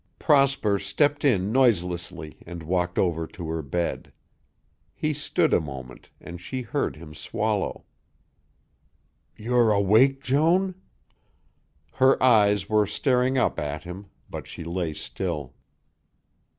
Prosper stepped in noiselessly and walked over to her bed. He stood a moment and she heard him swallow. "You're awake, Joan?" Her eyes were staring up at him, but she lay still.